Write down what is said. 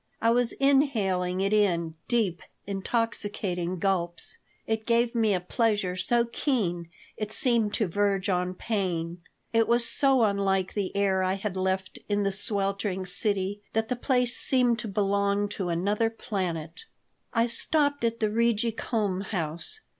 I was inhaling it in deep, intoxicating gulps. It gave me a pleasure so keen it seemed to verge on pain. It was so unlike the air I had left in the sweltering city that the place seemed to belong to another planet I stopped at the Rigi Kulm House.